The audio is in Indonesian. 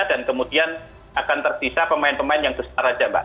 dan kemudian akan terpisah pemain pemain yang besar aja mbak